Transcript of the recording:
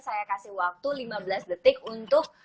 saya kasih waktu lima belas detik untuk